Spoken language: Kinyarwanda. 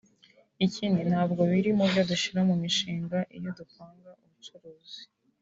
ikindi ntabwo biri mu byo dushyira mu mishinga iyo dupanga ubucuruzi